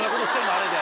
あれで。